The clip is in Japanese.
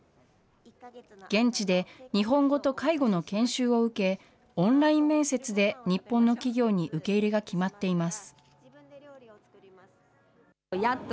現地で日本語と介護の研修を受け、オンライン面接で日本の企業に受け入れが決まっています。